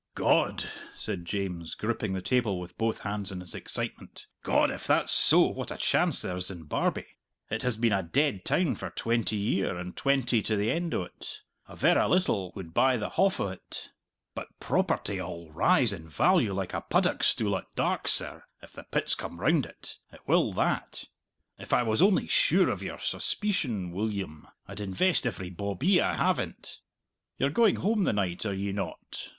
"God!" said James, gripping the table with both hands in his excitement "God, if that's so, what a chance there's in Barbie! It has been a dead town for twenty year, and twenty to the end o't. A verra little would buy the hauf o't. But property 'ull rise in value like a puddock stool at dark, serr, if the pits come round it! It will that. If I was only sure o' your suspeecion, Weelyum, I'd invest every bawbee I have in't. You're going home the night, are ye not?"